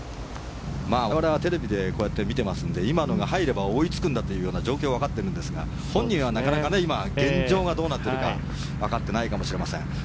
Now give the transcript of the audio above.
我々はテレビでこうやって見てますので今のが入れば追いつくんだという状況はわかっているんですが本人はなかなか今現状がどうなっているかわかっていないかもしれません。